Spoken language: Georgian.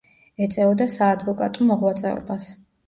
ეწეოდა საადვოკატო მოღვაწეობას.